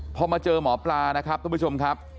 พอมาเจอหมอปลานะครับทุกผู้ชมครับ